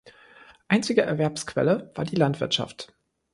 Einzige Erwerbsquelle war die Landwirtschaft.